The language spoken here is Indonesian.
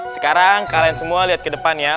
sekarang kalian semua lihat ke depannya